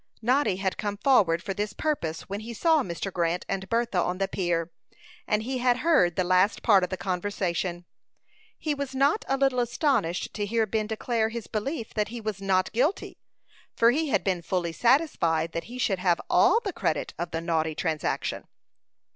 Noddy had come forward for this purpose when he saw Mr. Grant and Bertha on the pier, and he had heard the last part of the conversation. He was not a little astonished to hear Ben declare his belief that he was not guilty, for he had been fully satisfied that he should have all the credit of the naughty transaction.